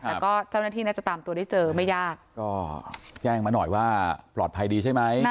แล้วก็เจ้าหน้าที่น่าจะตามตัวได้เจอไม่ยากก็แจ้งมาหน่อยว่าปลอดภัยดีใช่ไหม